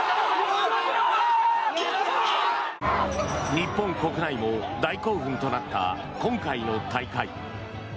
日本国内も大興奮となった今回の大会。